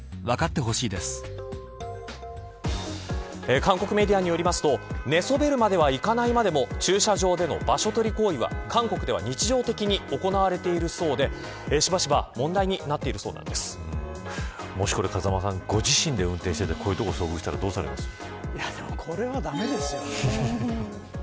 韓国メディアによりますと寝そべるまではいかないまでも駐車場での場所取り行為は韓国では日常的に行なわれているそうでしばし問題にもしこれ、ご自身で運転してこういうところに遭遇されたら、どうしますか。